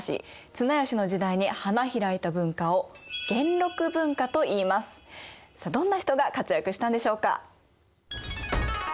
綱吉の時代に花開いた文化をどんな人が活躍したんでしょうか？